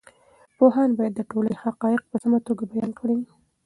پوهاند باید د ټولنې حقایق په سمه توګه بیان کړي.